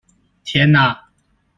天啊！